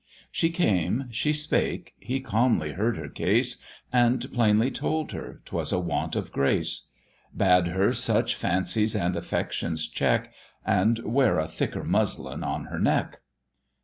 She came, she spake: he calmly heard her case, And plainly told her 'twas a want of grace; Bade her "such fancies and affections check, And wear a thicker muslin on her neck."